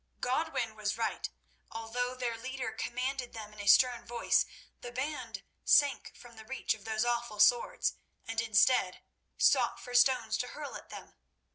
Godwin was right. Although their leader commanded them in a stern voice, the band sank from the reach of those awful swords, and, instead, sought for stones to hurl at them.